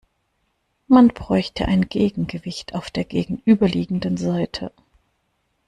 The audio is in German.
Man bräuchte ein Gegengewicht auf der gegenüberliegenden Seite.